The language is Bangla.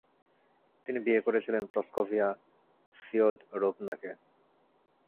তিনি বিয়ে করেছিলেন প্রসকোভিয়া ফিয়োদরোভনাকে।